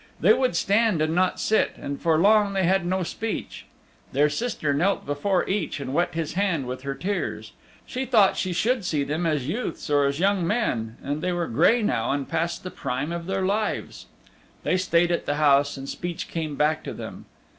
They would stand and not sit, and for long they had no speech. Their sister knelt before each and wet his hand with her tears. She thought she should see them as youths or as young men, and they were gray now and past the prime of their lives. They stayed at the house and speech came back to them.